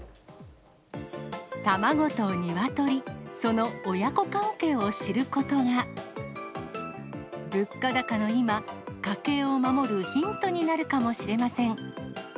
卵とニワトリ、その親子関係を知ることが、物価高の今、家計を守るヒントになるかもしれません。